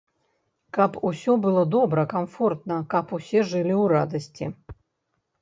Каб усё было добра, камфортна, каб усе жылі ў радасці.